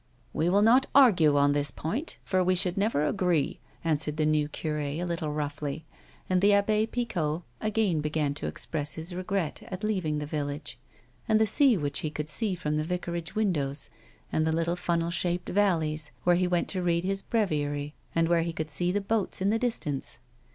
" We will not argue on this point, for we should never agree," answered the new cure, a little roughly ; and the Abb^ Picot again began to express his regret at leaving the village, and the sea which he could see from the vicarage windows, and the little funnel shaped valleys, where he went to read his breviary and where he could see the boats in the distance.